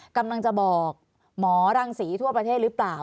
กำลังจะบอกหมอรังศรีทั่วประเทศหรือเปล่า